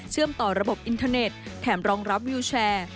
ต่อระบบอินเทอร์เน็ตแถมรองรับวิวแชร์